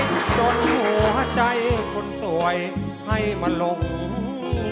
จนหัวใจคนสวยให้มาหลงเสน่ห์